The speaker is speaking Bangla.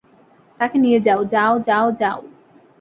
তাকে নিয়ে যাও, যাও, যাও, যাও।